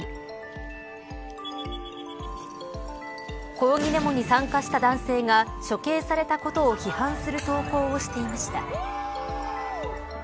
抗議デモに参加した男性が処刑されたことを批判する投稿をしていました。